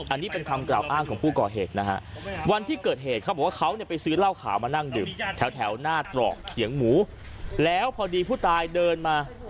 อันนี้เป็นคำกล่าวอ้างของผู้ก่อเหตุนะฮะวันที่เกิดเหตุเขาบอกว่าเขาเนี่ยไปซื้อเหล้าขาวมานั่งดื่มแถวหน้าตรอกเขียงหมูแล้วพอดีผู้ตายเดินมา